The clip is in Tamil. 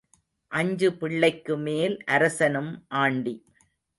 அஞ்சு பிள்ளைக்குமேல் அரசனும் ஆண்டி.